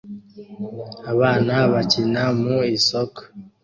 abana bakina mu isoko